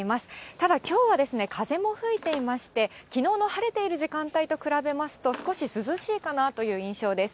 ただ、きょうは風も吹いていまして、きのうの晴れている時間帯と比べますと少し涼しいかなという印象です。